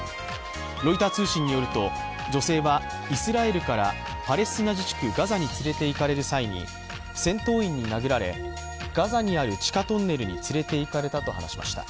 ロイター通信によると、女性はイスラエルからパレスチナ自治区ガザに連れていかれる際に戦闘員に殴られガザにある地下トンネルに連れていかれたと話しました。